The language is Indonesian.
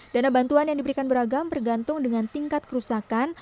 dana bantuan yang diberikan beragam tergantung dengan tingkat kerusakan